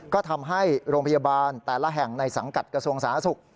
ก็ทำให้โรงพยาบาลแต่ละแห่งในสังกัดกระทรวงสาธารณสุข